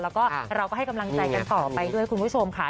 แล้วก็เราก็ให้กำลังใจกันต่อไปด้วยคุณผู้ชมค่ะ